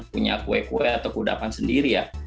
punya kue kue atau kudapan sendiri ya